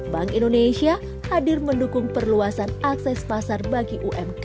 bank indonesia hadir mendukung perluasan umkm dan memiliki keberlangsungan usaha dan majunya umkm